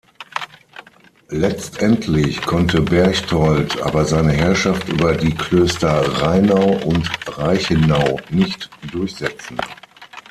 Letztendlich konnte Berchtold aber seine Herrschaft über die Klöster Rheinau und Reichenau nicht durchsetzen.